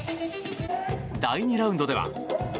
第２ラウンドでは。